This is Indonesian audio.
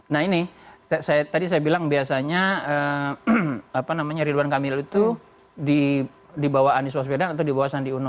nah ini tadi saya bilang biasanya apa namanya ridwan kamil itu dibawa anis baswedan atau dibawa sandi uno